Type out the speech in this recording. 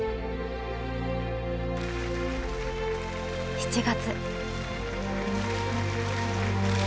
７月。